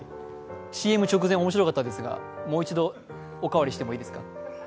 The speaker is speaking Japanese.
ＣＭ直前面白かったですが、もう一度おかわりしてもいいですか？